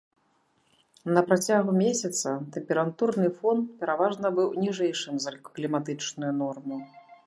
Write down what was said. На працягу месяца тэмпературны фон пераважна быў ніжэйшым за кліматычную норму.